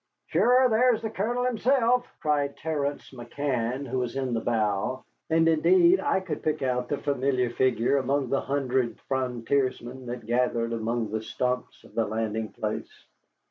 "Sure, there's the Colonel himself," cried Terence McCann, who was in the bow, and indeed I could pick out the familiar figure among the hundred frontiersmen that gathered among the stumps at the landing place.